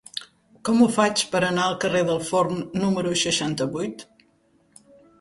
Com ho faig per anar al carrer del Forn número seixanta-vuit?